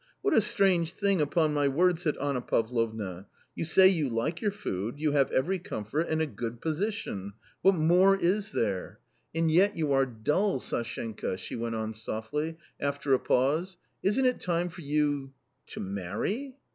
" What a strange thing, upon my word !" said Anna Pavlovna. " You say you like your food, you have every comfort and a good position .... what more is there ? 254 A COMMON STORY and yet you are dull, Sashenka !" she went on softly, after a pause ;" isn't it time for you .... to marry